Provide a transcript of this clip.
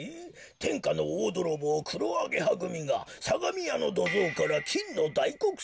「てんかのおおどろぼうくろアゲハぐみがさがみやのどぞうからきんのだいこくさまをぬすんだ」？